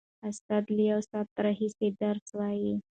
استاد له یوه ساعت راهیسې درس وايي.